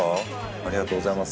ありがとうございます